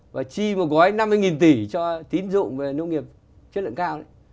và chi một gói năm mươi tỷ cho tín dụng về nông nghiệp chất lượng cao